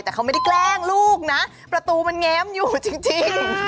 แต่เขาไม่ได้แกล้งลูกนะประตูมันแง้มอยู่จริง